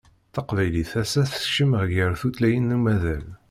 Taqbaylit ass-a tekcem gar tutlayin n umaḍal